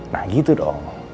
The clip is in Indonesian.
nah gitu dong